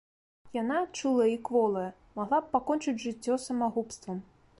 Яна, чулая і кволая, магла б пакончыць жыццё самагубствам.